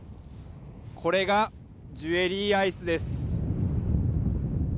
これがジュエリーアイスです。